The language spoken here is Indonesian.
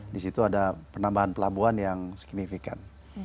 di situ ada penambahan pelabuhan yang signifikan